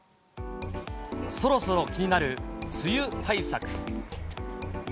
そろそろ気になる梅雨対策。